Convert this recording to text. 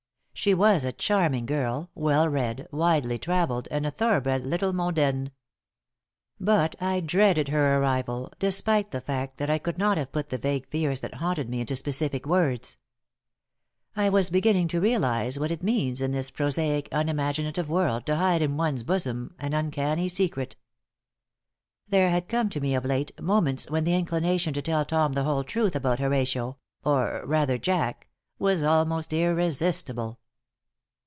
She was a charming girl, well read, widely traveled and a thoroughbred little mondaine. But I dreaded her arrival, despite the fact that I could not have put the vague fears that haunted me into specific words. I was beginning to realize what it means in this prosaic, unimaginative world to hide in one's bosom an uncanny secret. There had come to me, of late, moments when the inclination to tell Tom the whole truth about Horatio or, rather, Jack was almost irresistible.